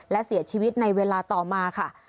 และเสียชีวิตในเวลาต่อมาค่ะ